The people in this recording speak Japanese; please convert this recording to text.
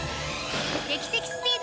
劇的スピード！